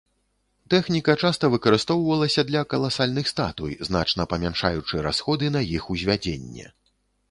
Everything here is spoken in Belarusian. Тэхніка часта выкарыстоўвалася для каласальных статуй, значна памяншаючы расходы на іх узвядзенне.